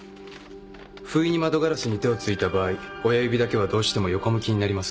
不意に窓ガラスに手をついた場合親指だけはどうしても横向きになりますから。